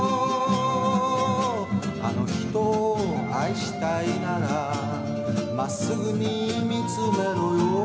「あの人を愛したいなら」「まっすぐに見つめろよ」